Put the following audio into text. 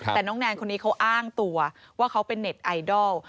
แต่น้องแนนคนนี้เขาอ้างตัวว่าเขาเป็นเน็ตไอดอล